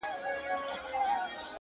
راته ښكلا راوړي او ساه راكړي,